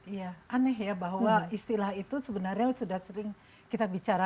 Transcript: iya aneh ya bahwa istilah itu sebenarnya sudah sering kita bicara